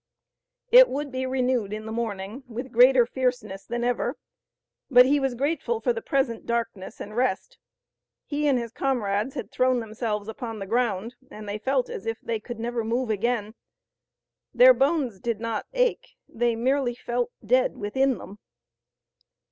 It would be renewed in the morning with greater fierceness than ever, but he was grateful for the present darkness and rest. He and his comrades had thrown themselves upon the ground, and they felt as if they could never move again. Their bones did not ache. They merely felt dead within them.